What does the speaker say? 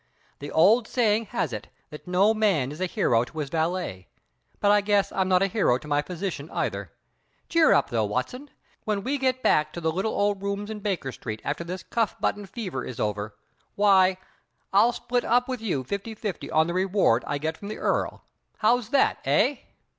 The old saying has it that no man is a hero to his valet, but I guess I'm not a hero to my physician either. Cheer up though, Watson; when we get back to the little old rooms in Baker Street after this cuff button fever is over, why I'll split up with you fifty fifty on the reward I get from the Earl. How's that, eh?"